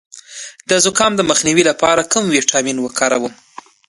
د زکام د مخنیوي لپاره کوم ویټامین وکاروم؟